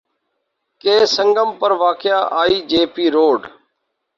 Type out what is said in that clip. کے سنگم پر واقع آئی جے پی روڈ